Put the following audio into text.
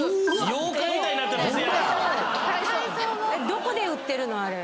どこで売ってるの？